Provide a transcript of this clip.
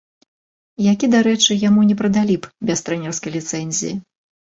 Які, дарэчы, яму не прадалі б без трэнерскай ліцэнзіі.